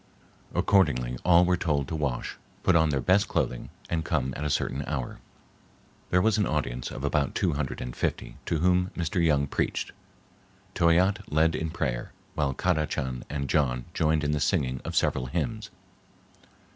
Accordingly all were told to wash, put on their best clothing, and come at a certain hour. There was an audience of about two hundred and fifty, to whom Mr. Young I preached. Toyatte led in prayer, while Kadachan and John joined in the singing of several hymns.